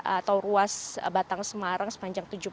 atau ruas batang semarang